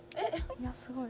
いやすごい。